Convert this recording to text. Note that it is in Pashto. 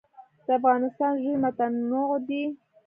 د افغانستان ژوي متنوع دي